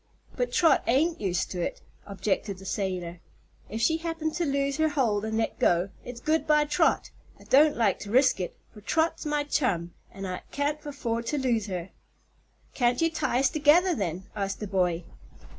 "But Trot ain't used to it," objected the sailor. "If she happened to lose her hold and let go, it's good bye Trot. I don't like to risk it, for Trot's my chum, an' I can't afford to lose her." "Can't you tie us together, then?" asked the boy.